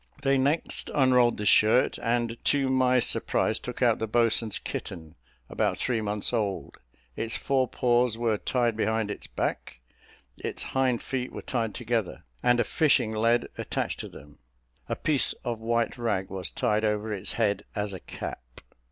They next unrolled the shirt, and, to my surprise, took out the boatswain's kitten, about three months old; its fore paws were tied behind its back, its hind feet were tied together, and a fishing lead attached to them; a piece of white rag was tied over its head as a cap.